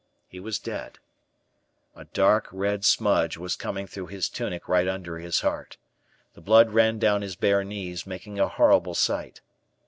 He was dead. A dark, red smudge was coming through his tunic right under the heart. The blood ran down his bare knees, making a horrible sight.